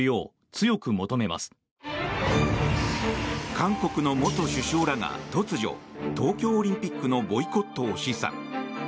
韓国の元首相らが突如、東京オリンピックのボイコットを示唆。